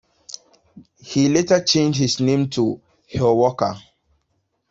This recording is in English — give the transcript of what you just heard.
He later changed his name to Hill-Walker.